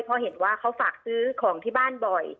เพราะเห็นว่าเขาฝากซื้อของที่บ้านบ่อย